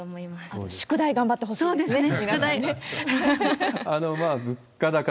あと、宿題、頑張ってほしいですね。